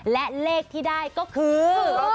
และเลขที่ได้ก็คือ